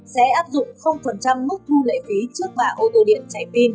sẽ áp dụng mức thu lệ phí trước bả ô tô điện chạy pin